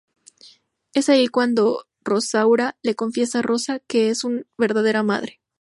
Es ahí cuando Rosaura le confiesa a Rosa que es su verdadera madre.